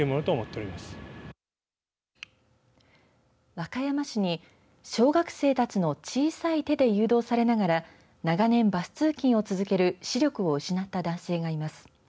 和歌山市に小学生たちの小さい手で誘導されながら長年バス通勤を続ける視力を失った男性がいます。